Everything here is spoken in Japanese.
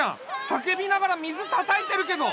さけびながら水たたいてるけど。